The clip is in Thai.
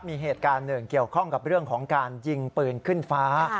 มีเหตุการณ์หนึ่งเกี่ยวข้องกับเรื่องของการยิงปืนขึ้นฟ้า